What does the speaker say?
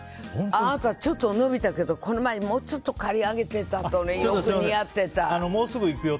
あなたちょっと伸びたけどこの前もうちょっと借り上げてたのよく似合ってた。